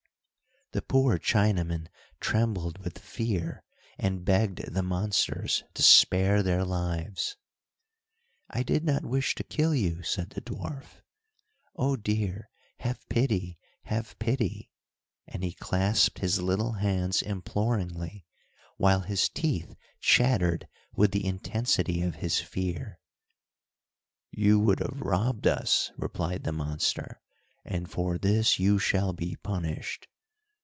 The poor Chinamen trembled with fear, and begged the monsters to spare their lives. "I did not wish to kill you," said the dwarf. "Oh, dear! have pity! have pity! and he clasped his little hands imploringly; while his teeth chattered with the intensity of his fear. "You would have robbed us," replied the monster, "and for this you shall be punished."